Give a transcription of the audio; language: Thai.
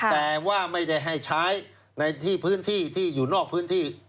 แต่ว่าไม่ได้ให้ใช้ในที่พื้นที่ที่อยู่นอกพื้นที่